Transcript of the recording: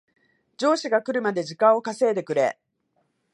上司が来るまで時間を稼いでくれ